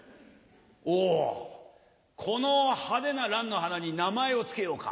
おぉこの派手なランの花に名前を付けようか。